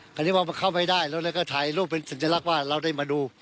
ก็นึกว่าเข้าไม่ได้แล้วและก็ถ่ายรูปเป็นสัญลักษณ์ว่าเราได้มาดู